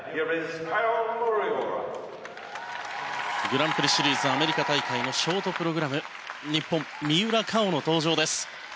グランプリシリーズアメリカ大会のショートプログラム日本、三浦佳生の登場です。